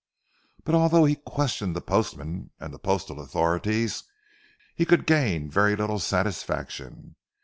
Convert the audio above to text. But although he questioned the postman and the postal authorities, he could gain very little satisfaction.